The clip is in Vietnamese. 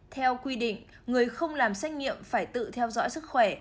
theo quy định người không làm xét nghiệm phải tự theo dõi sức khỏe